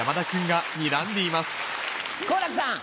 好楽さん。